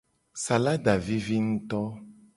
Salada vivi nguto.